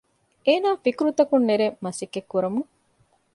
އޭނާ ފިކުރުތަކުން ނެރެން މަސައްކަތްކުރަމުން